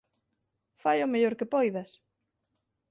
Fai o mellor que poidas.